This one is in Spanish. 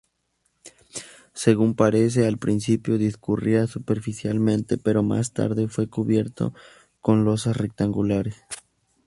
Según parece al principio discurría superficialmente, pero más tarde fue cubierto con losas rectangulares.